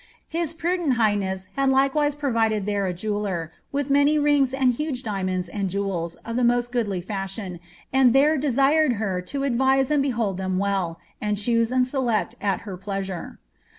His prudent highness had likewise provided there a jeweller, with many rings and huge diamonds and jewels of the most goodly fashion, and there desired her to avise and behold tliem well, and choose and select at he' pleasure."